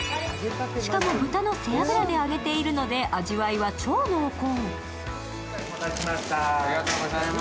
しかも豚の背脂で揚げているので味わいは超濃厚。